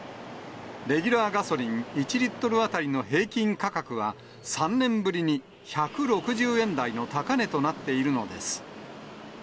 レギュラーガソリン１リットル当たりの平均価格は、３年ぶりに１６０円台の高値となっているのです。